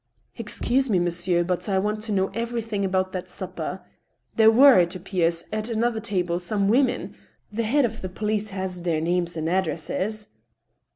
" Excuse me, monsieur, but I want to know ever3rthing about that supper. There were, it appears, at another tabje some wom en ;... the head of the police has their names and addresses."